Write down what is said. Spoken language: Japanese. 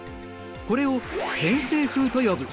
これを偏西風と呼ぶ。